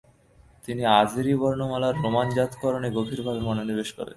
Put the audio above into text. তিনি আজেরি বর্ণমালার রোমানজাতকরণে গভীরভাবে মনোনিবেশ করেন।